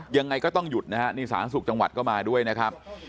ยังไงก็ต้องหยุดนะฮะนี่สาธารณสุขจังหวัดก็มาด้วยนะครับ